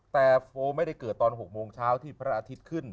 แต่โฟล์ไม่ได้เกิดตอน๖โมงเช้าที่พระอาทิตย์ขึ้น